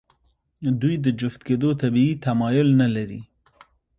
دوی د جفت کېدو طبیعي تمایل نهلري.